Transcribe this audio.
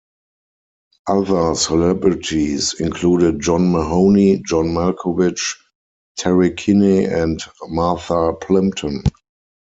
Other celebrities included John Mahoney, John Malkovich, Terry Kinney and Martha Plimpton.